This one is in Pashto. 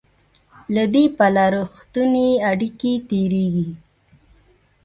له دې پله رښتونې اړیکې تېرېږي.